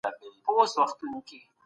هغه ځای چي موږ کار کاوه ډېر لیري و.